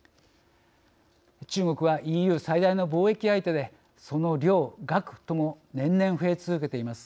中国はＥＵ最大の貿易相手でその量、額とも年々、増え続けています。